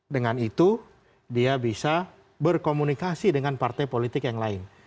dengan itu dia bisa berkomunikasi dengan partai politik yang lain